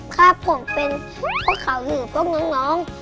ถ้าผมเป็นพวกเขาหนูพวกน้อง